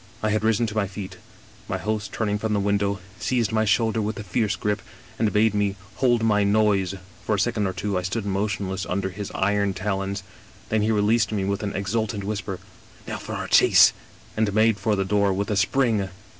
"I had risen to my feet. My host, turning from the win dow, seized my shoulder with a fierce grip, and bade me ^ hold my noise '; for a second or two I stood motionless under his iron talons, then he released me with an ex ultant whisper :" Now for our chase !" and made for the 'door with a spring.